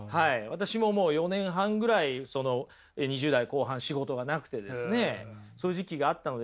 私ももう４年半ぐらい２０代後半仕事がなくてですねそういう時期があったのでもうそこには戻りたくない。